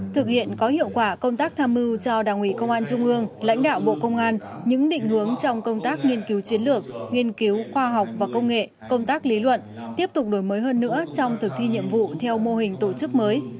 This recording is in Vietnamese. thực hiện có hiệu quả công tác tham mưu cho đảng ủy công an trung ương lãnh đạo bộ công an những định hướng trong công tác nghiên cứu chiến lược nghiên cứu khoa học và công nghệ công tác lý luận tiếp tục đổi mới hơn nữa trong thực thi nhiệm vụ theo mô hình tổ chức mới